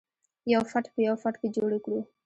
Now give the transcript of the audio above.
یو فټ په یو فټ کې جوړې کړو.